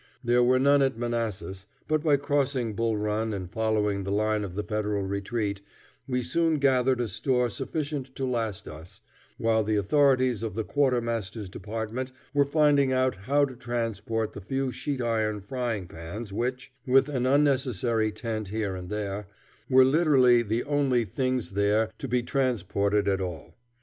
There were none at Manassas, but by crossing Bull Run and following the line of the Federal retreat, we soon gathered a store sufficient to last us, while the authorities of the quartermaster's department were finding out how to transport the few sheet iron frying pans which, with an unnecessary tent here and there, were literally the only things there were to be transported at all.